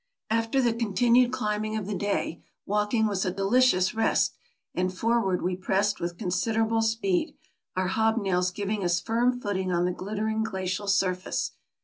After the continued climbing of the day, walking was a delicious rest, and forward we pressed with considerable speed, our hobnails giving us firm footing on the glittering glacial surface.